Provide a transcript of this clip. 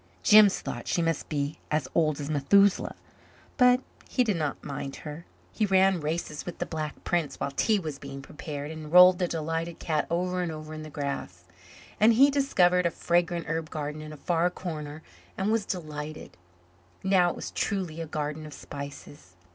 Jims thought she must be as old as Methusaleh. But he did not mind her. He ran races with Black Prince while tea was being prepared, and rolled the delighted cat over and over in the grass. And he discovered a fragrant herb garden in a far corner and was delighted. Now it was truly a garden of spices.